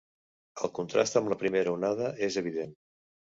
El contrast amb la primera onada és evident.